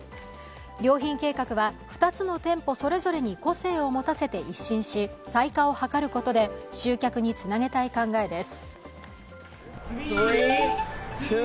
良品計画は２つの店舗それぞれに個性を持たせて一新し、差異化を図ることで集客につなげたい考えです。